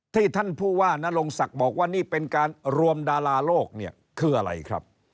ท่านผู้ว่านรงศักดิ์บอกว่านี่เป็นการรวมดาราโลกเนี่ยคืออะไรครับ